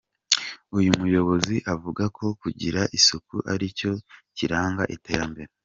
Uyu muyobozi avuga ko kugira isuku ari cyo kiranga iterambere.